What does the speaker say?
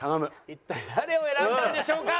一体誰を選んだんでしょうか？